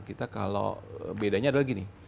kita kalau bedanya adalah gini